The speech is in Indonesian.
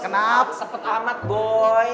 kenapa sempet amat boy